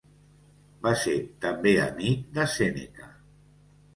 Va ser també amic de Sèneca.